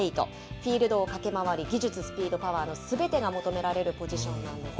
フィールドを駆け回り、技術、スピード、パワーのすべてが求められるポジションなんですね。